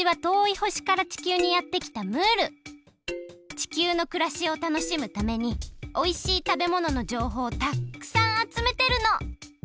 地球のくらしをたのしむためにおいしいたべもののじょうほうをたくさんあつめてるの！